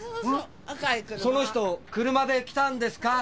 その人車で来たんですか？